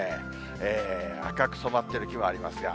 赤く染まってる木もありますが。